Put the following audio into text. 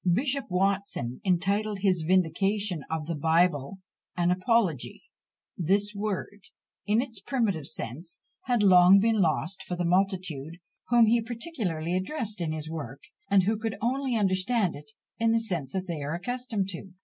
Bishop Watson entitled his vindication of the Bible "an apology:" this word, in its primitive sense, had long been lost for the multitude, whom he particularly addressed in this work, and who could only understand it in the sense they are accustomed to.